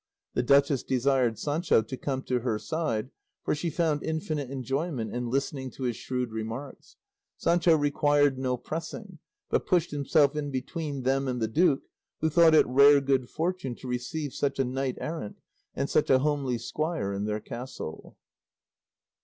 The duchess desired Sancho to come to her side, for she found infinite enjoyment in listening to his shrewd remarks. Sancho required no pressing, but pushed himself in between them and the duke, who thought it rare good fortune to receive such a knight errant and such a homely squire in their castle.